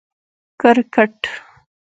🏏 کرکټ